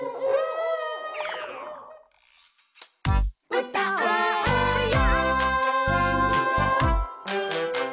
「うたおうよ」